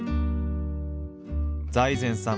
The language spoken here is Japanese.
財前さん